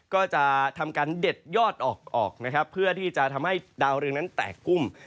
ก็จะทำการเด็ดยอดออกนะครับเพื่อที่จะทำให้ดาวเรืองนั้นแตกกุ้ม